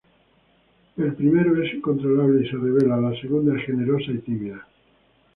El primero es incontrolable y se rebela; la segunda es generosa y tímida.